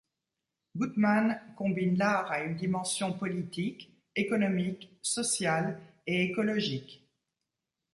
Guttman combine l'art à une dimension politique, économique, sociale et écologique.